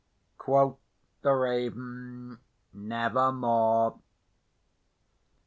Quoth the Raven, "Nevermore."